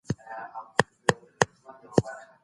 څوک په قضایي سیسټم کي اصلاحات راولي؟